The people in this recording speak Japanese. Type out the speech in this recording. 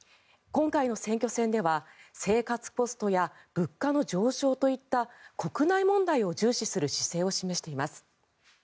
今回の選挙戦では生活コストや物価の上昇といった国内問題を重視する姿勢を示しています。